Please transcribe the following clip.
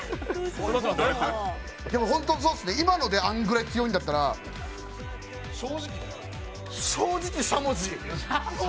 今のであんぐらい強いんだったら正直、しゃもじ。